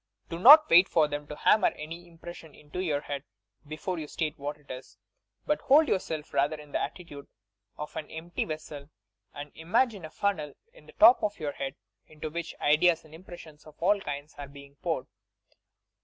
Do not wait for them to hammer any impression into your head before you state what it is, but hold yourself rather in the attitude of an empty vessel, and imagine a funnel in the top of your head into which ideas and impressions of all kinds are being poured.